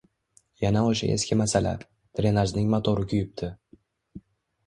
Yana oʻsha eski masala – drenajning motori kuyibdi.